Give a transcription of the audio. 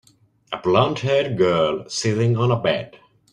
A blondhaired girl sitting on a bed